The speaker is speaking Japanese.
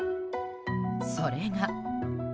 それが。